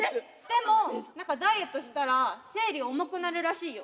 でも何かダイエットしたら生理が重くなるらしいよ。